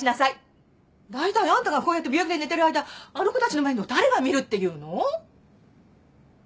だいたいあんたがこうやって病気で寝てる間あの子たちの面倒誰が見るっていうの？